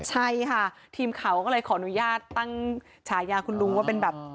ใช่ค่ะทีมข่าวก็เลยขออนุญาตตั้งฉายาคุณลุงว่าเป็นแบบ